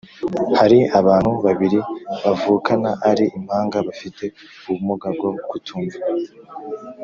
hari abantu babiri bavukana ari impanga bafite ubumuga bwo kutumva